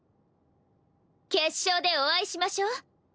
決勝でお会いしましょう。